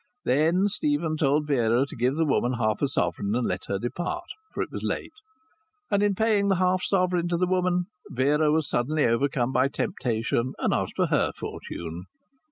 Then Stephen told Vera to give the woman half a sovereign and let her depart, for it was late. And in paying the half sovereign to the woman Vera was suddenly overcome by temptation and asked for her fortune.